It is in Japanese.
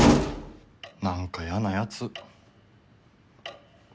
・何かやなやつ。